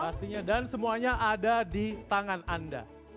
pastinya dan semuanya ada di tangan anda